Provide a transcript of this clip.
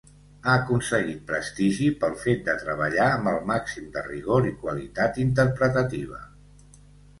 Ha aconseguit prestigi pel fet de treballar amb el màxim de rigor i qualitat interpretativa.